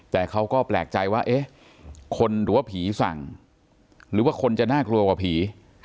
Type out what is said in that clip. แต่เขาก็แปลกใจว่าเอ๊ะคนหรือว่าผีสั่งหรือว่าคนจะน่ากลัวกว่าผี